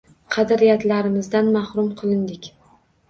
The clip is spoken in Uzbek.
Qadriyatlarimizdan mahrum qilindik.